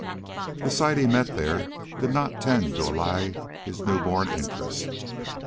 The sight he met there did not tend to allay his newborn interest.